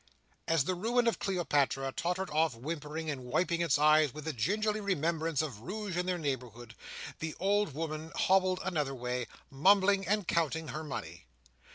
As the ruin of Cleopatra tottered off whimpering, and wiping its eyes with a gingerly remembrance of rouge in their neighbourhood, the old woman hobbled another way, mumbling and counting her money.